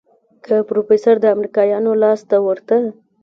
که پروفيسر د امريکايانو لاس ته ورته.